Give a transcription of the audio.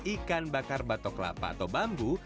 ikan bakar batok kelapa atau bambu